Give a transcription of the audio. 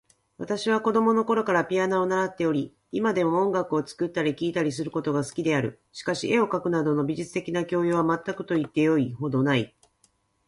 私は子供のころからピアノを習っており、今でも音楽を作ったり聴いたりすることが好きである。しかし、絵を描くなどの美術的な教養は全くと言ってよいほどない。